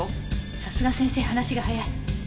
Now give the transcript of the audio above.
さすが先生話が早い。